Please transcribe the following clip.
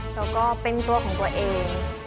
แล้วก็เป็นตัวของตัวเอง